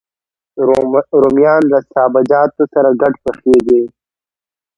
رومیان له سابهجاتو سره ګډ پخېږي